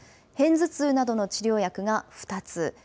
偏頭痛などの治療薬が２つ。